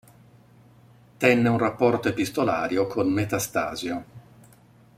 Tenne un rapporto epistolario con Metastasio.